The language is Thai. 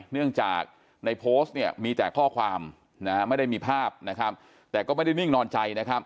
เนื่องจากในโพสต์มีแต่ข้อความไม่ได้มีภาพแต่ก็ไม่ได้นิ่งนอนใจ